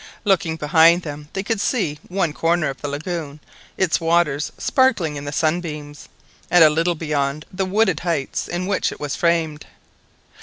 Looking behind them they could see one corner of the lagoon, its waters sparkling in the sunbeams, and a little beyond the wooded heights in which it was framed.